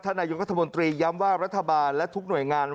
นายกรัฐมนตรีย้ำว่ารัฐบาลและทุกหน่วยงาน